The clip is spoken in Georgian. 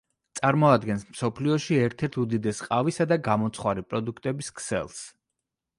წარმოადგენს მსოფლიოში ერთ-ერთ უდიდეს ყავისა და გამომცხვარი პროდუქტების ქსელს.